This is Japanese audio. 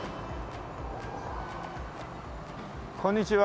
こんにちは。